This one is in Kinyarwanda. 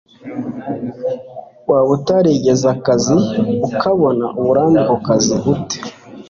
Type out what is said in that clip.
Waba utarigeze akazi, ukabona uburambe ku kazi ute